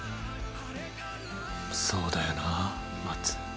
そうだよな松。